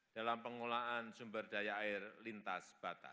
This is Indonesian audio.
dalam pengolahan sumber daya air lintas